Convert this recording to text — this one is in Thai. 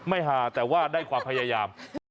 หาแต่ว่าได้ความพยายาม